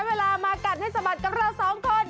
เวลามากัดให้สะบัดกับเราสองคน